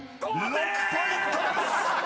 ［６ポイントです！］